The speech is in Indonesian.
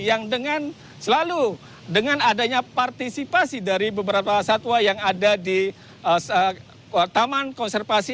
yang dengan selalu dengan adanya partisipasi dari beberapa satwa yang ada di taman konservasi